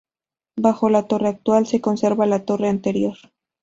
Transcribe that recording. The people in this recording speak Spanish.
Bajo la torre actual se conserva la torre anterior.